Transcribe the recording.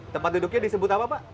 tempat duduknya disebut apa pak